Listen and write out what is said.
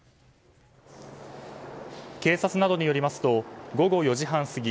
警察などによりますと午後４時半過ぎ